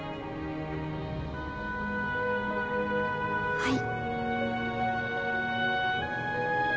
はい。